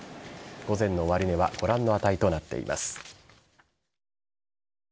午前の終値はご覧の値となっています。